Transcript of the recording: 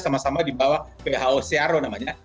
sama sama di bawah who searo namanya